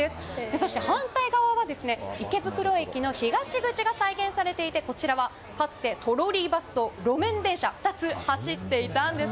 そして、反対側は池袋駅の東口が再現されていて、こちらはかつてトロリーバスと路面電車、２つ走っていたんです。